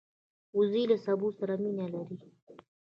وزې له سبو سره مینه لري